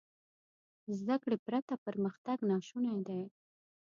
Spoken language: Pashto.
زده کړې پرته پرمختګ ناشونی دی.